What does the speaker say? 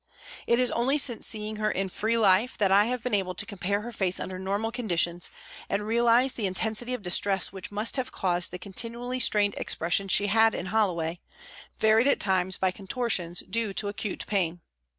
It is only since seeing her in free life that I have been able to compare her face under normal conditions and realised the intensity of distress which must have caused the continually strained expression she had in Holloway, varied at times by contortions due to acute pain.